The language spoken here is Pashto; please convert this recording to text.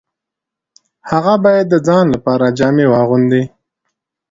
هغه باید د ځان لپاره جامې واغوندي